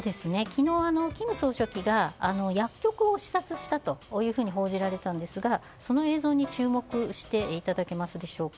昨日、金総書記が薬局を視察したと報じられたんですがその映像に注目してください。